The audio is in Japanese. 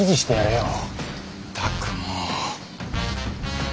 ったくもう。